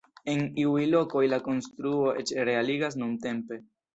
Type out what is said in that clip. En iuj lokoj, la konstruo eĉ realigas nuntempe.